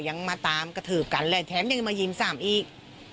ยังมาตามกระทืบกันเลยแถมยังมายิงซ้ำอีก